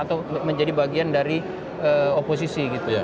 atau menjadi bagian dari oposisi gitu